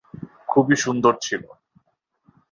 খুবই সুন্দর ছিল।